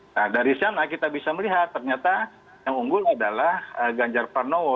nah dari sana kita bisa melihat ternyata yang unggul adalah ganjar pranowo